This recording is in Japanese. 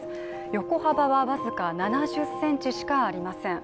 横幅は僅か７０ｃｍしかありません。